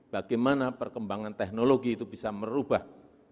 bagaimana perkembangan teknologi itu bisa merubah